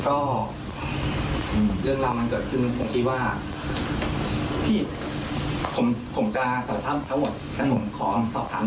โอเคเอาอื่นเรื่อง